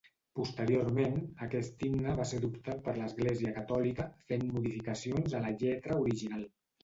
Posteriorment aquest himne va ser adoptat per l'Església Catòlica, fent modificacions a la lletra original.